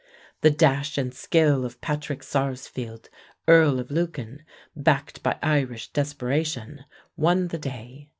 The dash and skill of Patrick Sarsfield, Earl of Lucan, backed by Irish desperation, won the day.